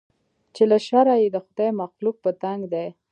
چې له شره یې د خدای مخلوق په تنګ دی